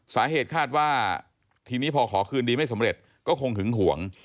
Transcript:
สาเหตุคาดว่าทีนี้พอขอคืนดีไม่สำเร็จก็คงหึงห่วง